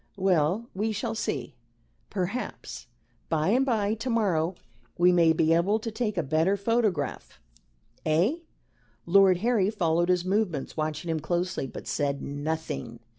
Well, we shall see. Perhaps by and by to morrow we may be able to take a better photograph. Eh?" Lord Harry followed his movements, watching him closely, but said nothing.